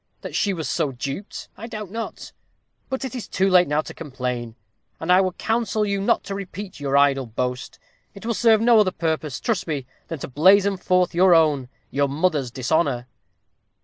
That she was so duped, I doubt not. But it is too late now to complain, and I would counsel you not to repeat your idle boast. It will serve no other purpose, trust me, than to blazon forth your own your mother's dishonor."